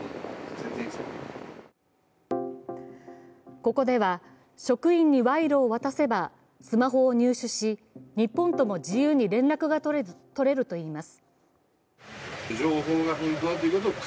ここでは、職員に賄賂を渡せばスマホを入手し日本とも自由に連絡が取れるといいます。